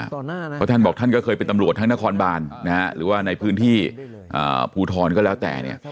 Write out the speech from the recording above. เพราะท่านบอกท่านก็เคยเป็นตำรวจทั้งนครบานหรือว่าในพื้นที่ภูทรก็แล้วแต่เนี่ย